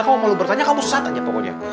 kalau malu bertanya kamu sesat aja pokoknya